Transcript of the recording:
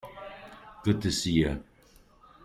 Good to see ya!